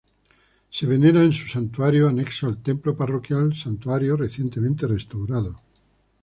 Se venera en su Santuario, Anexo al Templo Parroquial Santuario recientemente restaurado.